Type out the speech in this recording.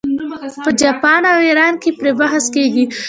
په جاپان او ایران کې پرې بحث کیږي.